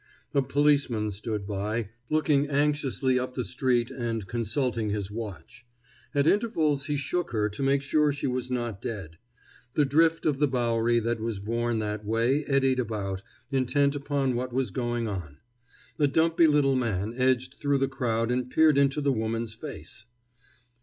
A policeman stood by, looking anxiously up the street and consulting his watch. At intervals he shook her to make sure she was not dead. The drift of the Bowery that was borne that way eddied about, intent upon what was going on. A dumpy little man edged through the crowd and peered into the woman's face.